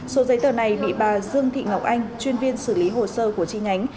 số giấy tờ này bị bà dương thị ngọc anh chuyên viên xử lý hồ sơ của chi nhánh